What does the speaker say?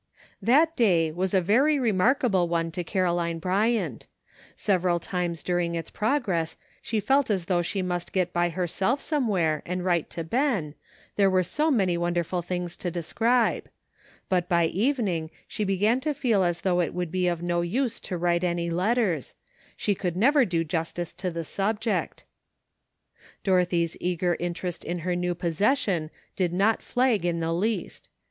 That day was a very remarkable one to Caro line Bryant. Several times during its progress she felt as though she must get by herself some where and write to Ben, there were so many wonderful things to describe ; but by evening she began to feel as though it would be of no use to write any letters; she could never do 216 A LONG, WONDERFUL DAT. justice to the subject. Dorothy's eager interest in her new possession did not flag in the least.